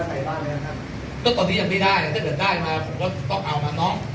อาเงียก็ตอนนี้ยังไม่ได้ถ้าเกิดได้มาผมก็ต้องเอามาน้อง